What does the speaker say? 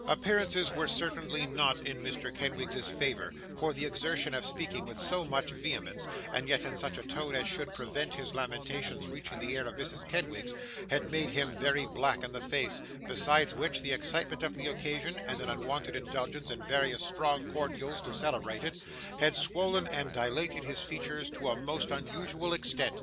Appearances were certainly not in Mr. Kenwigs's favour, for the exertion of speaking with so much vehemence, and yet in such a tone as should prevent his lamentations reaching the ears of Mrs. Kenwigs, had made him very black in the face; besides which, the excitement of the occasion, and an unwonted indulgence in various strong cordials to celebrate it, had swollen and dilated his features to a most unusual extent.